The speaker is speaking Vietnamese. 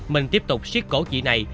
minh tiếp tục siết cổ chị này